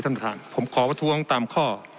ท่านประธานผมขอประท้วงตามข้อ